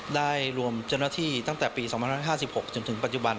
รวมเจ้าหน้าที่ตั้งแต่ปี๒๕๖จนถึงปัจจุบัน